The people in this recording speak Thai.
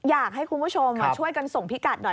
อยากให้คุณผู้ชมช่วยกันส่งพิกัดหน่อย